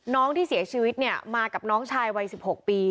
น้องที่เสียชีวิตเนี่ยมากับน้องชายวัย๑๖ปี